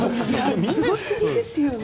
すごすぎですよね。